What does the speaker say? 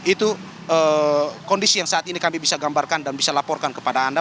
itu kondisi yang saat ini kami bisa gambarkan dan bisa laporkan kepada anda